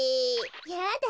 やだ